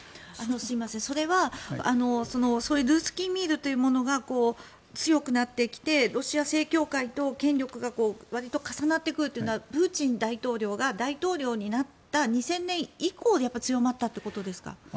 それはルースキー・ミールというものが強くなってきてロシア正教会と権力がわりと重なってくるというのはプーチン大統領が大統領になった２０００年以降強まったということですか。